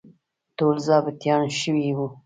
ټول ظابیطان شوي وو.